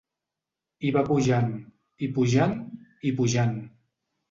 I va pujant i pujant i pujant.